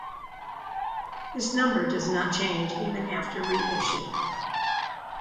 This number does not change even after re-issue.